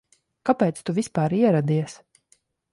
Kāpēc tu vispār ieradies?